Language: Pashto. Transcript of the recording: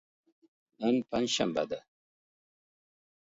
نن پنج شنبه ده.